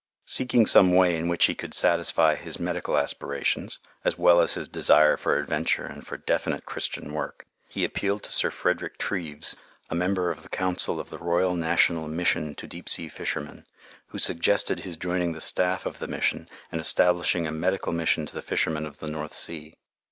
Seeking some way in which he could satisfy his medical aspirations, as well as his desire for adventure and for definite Christian work, he appealed to Sir Frederick Treves, a member of the Council of the Royal National Mission to Deep Sea Fishermen, who suggested his joining the staff of the mission and establishing a medical mission to the fishermen of the North Sea.